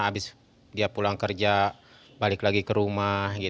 habis dia pulang kerja balik lagi ke rumah